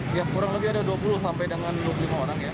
ya kurang lebih ada dua puluh sampai dengan dua puluh lima orang ya